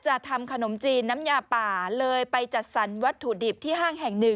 ใช่คนที่เขามาพสเนี่ย